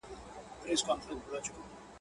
تر نگین لاندي پراته درته لوی غرونه.